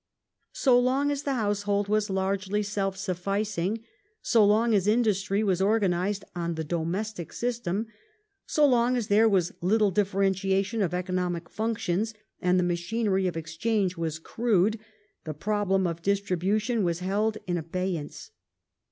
So long as the household was largely self sufficing; so" long as industry was organized on the " domestic " system ; so long as there was little differentiation of economic functions and the machinery of exchange was crude, the problem of distribution was held in abeyance.